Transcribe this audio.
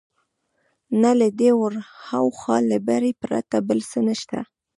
نه له دې ورهاخوا، له بري پرته بل څه نشته.